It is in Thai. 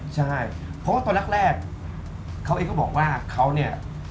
ใช่เพราะว่าตอนแรกเขาเองก็บอกว่าเขาเนี่ย